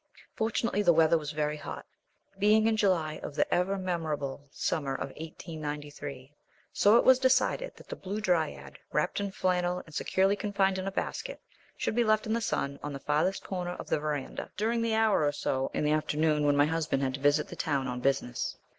Fortunately the weather was very hot (being in July of the ever memorable summer of 1893), so it was decided that the Blue Dryad, wrapped in flannel and securely confined in a basket, should be left in the sun, on the farthest corner of the verandah, during the hour or so in the afternoon when my husband had to visit the town on business.